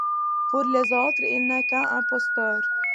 Pour les autres, il n'est qu'un imposteur.